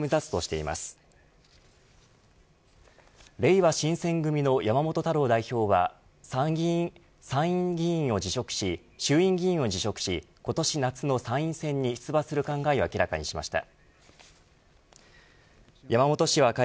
れいわ新撰組の山本太郎代表は衆院議員を辞職し今年夏の参院選に出馬する考えを明らかにしました。